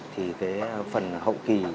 thì cái phần hậu kỳ